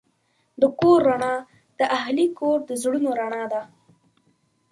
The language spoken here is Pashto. د کور رڼا د اهلِ کور د زړونو رڼا ده.